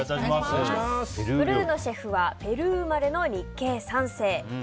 ブルーノシェフはペルー生まれの日系３世。